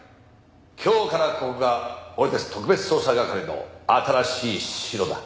今日からここが俺たち特別捜査係の新しい城だ。